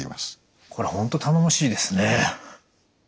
これは本当頼もしいですね。